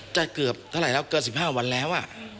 เกือบเท่าไหร่แล้วเกิน๑๕วันแล้ว